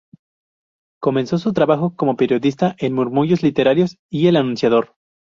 Comenzó su trabajo como periodista en "Murmullos Literarios" y "El Anunciador".